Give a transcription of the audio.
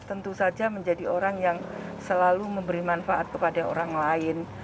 tentu saja menjadi orang yang selalu memberi manfaat kepada orang lain